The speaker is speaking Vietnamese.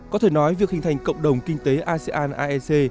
có thể nói việc hình thành cộng đồng kinh tế asean aec